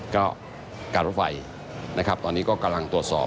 ก็การรถไฟนะครับตอนนี้ก็กำลังตรวจสอบ